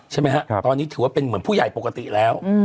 ใช่ไหมฮะตอนนี้ถือว่าเป็นเหมือนผู้ใหญ่ปกติแล้ว